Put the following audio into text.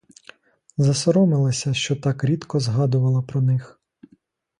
Засоромилася, що так рідко згадувала про них.